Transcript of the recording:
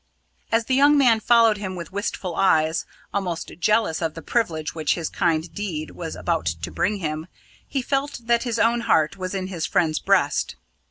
As the young man followed him with wistful eyes almost jealous of the privilege which his kind deed was about to bring him he felt that his own heart was in his friend's breast.